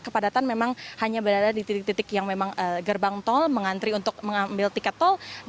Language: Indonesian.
kepadatan memang hanya berada di titik titik yang memang gerbang tol mengantri untuk mengambil tiket tol